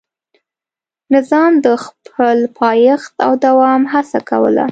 نظام د خپل پایښت او دوام هڅه کوله.